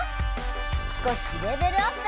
少しレベルアップ！